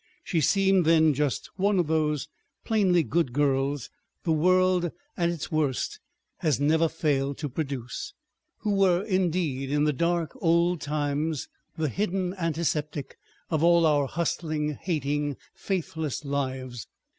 She seemed then just one of those plainly good girls the world at its worst has never failed to produce, who were indeed in the dark old times the hidden antiseptic of all our hustling, hating, faithless lives.